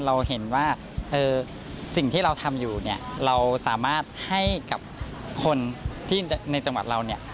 เราเห็นว่าสิ่งที่เราทำอยู่เนี่ยเราสามารถให้กับคนที่ในจังหวัดเราเนี่ย